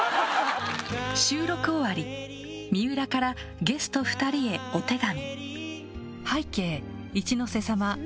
収録終わり、水卜からゲスト２人へお手紙。